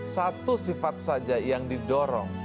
satu sifat saja yang didorong